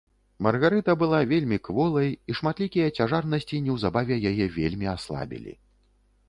Маргарыта была вельмі кволай і шматлікія цяжарнасці неўзабаве яе вельмі аслабілі.